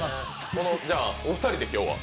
お二人で今日は？